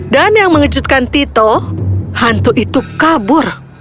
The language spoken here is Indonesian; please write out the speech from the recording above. dan yang mengejutkan tito hantu itu kabur